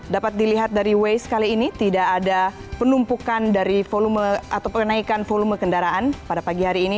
dapat dilihat dari waste kali ini tidak ada penumpukan dari volume atau kenaikan volume kendaraan pada pagi hari ini